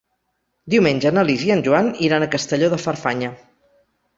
Diumenge na Lis i en Joan iran a Castelló de Farfanya.